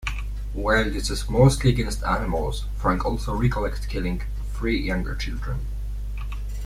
While this is mostly against animals, Frank also recollects killing three younger children.